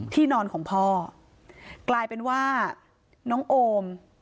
ที่นอนของพ่อกลายเป็นว่าน้องโอม